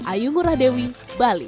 ayu ngurah dewi bali